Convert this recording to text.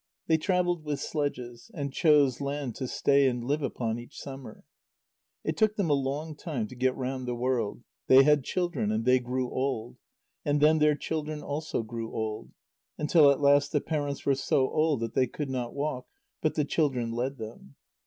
They travelled with sledges, and chose land to stay and live upon each summer. It took them a long time to get round the world; they had children, and they grew old, and then their children also grew old, until at last the parents were so old that they could not walk, but the children led them.